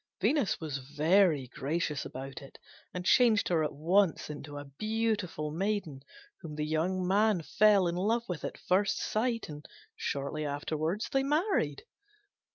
Venus was very gracious about it, and changed her at once into a beautiful maiden, whom the young man fell in love with at first sight and shortly afterwards married.